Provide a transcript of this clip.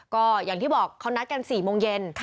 ก็อย่างที่บอกเขานัดกัน๔โมงเย็น